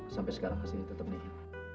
sampai sekarang hasilnya tetap nih